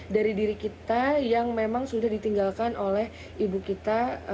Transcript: dari diri kita yang memang sudah ditinggalkan oleh allah